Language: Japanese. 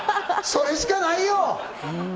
それしかない！